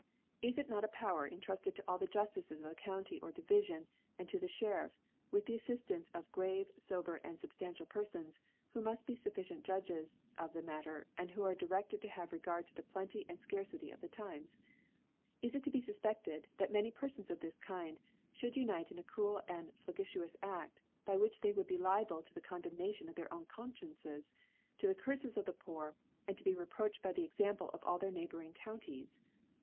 Is it not a Power entrufted to all chc; Jwf tices (89) tices of the County^ or Divifion, and fb the Sheriff, with the Affiftance of grave, fober, and fubftantial Perfons, who muft be fufBcient Judges of the Matter, and who are dircftcd to have Regard to the Plenty and Scarcity of the Times ? Is it to be fuf pefted, that many Perfons of this Kinci fhould unite in a cruel and flagitious Afl, by which they would be liable to the Condem nation of their own Confciences, to the Curfes of the Poor, and to be reproached by the Example of all their neighbouring Counties?